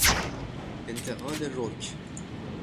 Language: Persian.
انتقاد رک